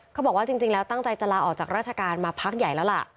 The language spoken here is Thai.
เขาบอกว่าจริงแล้วตั้งใจจะลาออกจากราชการมาพักใหญ่แล้วล่ะ